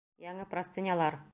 Яңы простынялар!